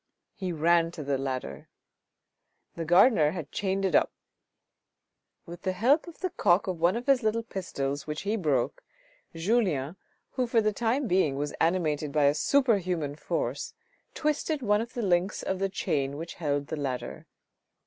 He ran to the ladder. The gardener had chained 368 THE RED AND THE BLACK it up. With the help of the cock of one of his little pistols which he broke, Julien, who for the time being was animated by a superhuman force, twisted one of the links of the chain which held the ladder.